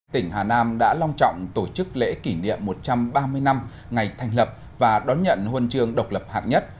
tỉnh hà nam đã long trọng tổ chức lễ kỷ niệm một trăm ba mươi năm ngày thành lập và đón nhận huân chương độc lập hạng nhất